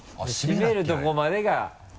閉めるとこまでが。